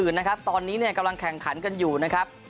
นะครับตอนนี้เนี่ยกำลังแข่งขันกันอยู่นะครับ